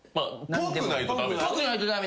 ぽくないと駄目。